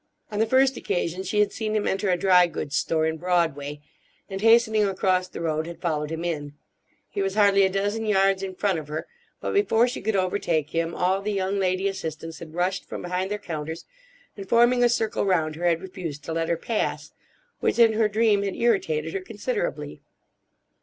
On the first occasion she had seen him enter a dry goods store in Broadway, and hastening across the road had followed him in. He was hardly a dozen yards in front of her, but before she could overtake him all the young lady assistants had rushed from behind their counters and, forming a circle round her, had refused to let her pass, which in her dream had irritated her considerably.